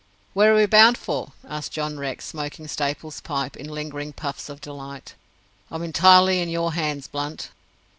"Where are we bound for?" asked John Rex, smoking Staples's pipe in lingering puffs of delight. "I'm entirely in your hands, Blunt."